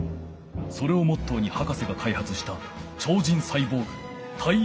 それをモットーに博士がかいはつした超人サイボーグ体育ノ介。